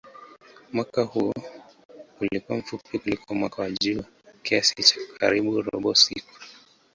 Mwaka huo ulikuwa mfupi kuliko mwaka wa jua kiasi cha karibu robo siku.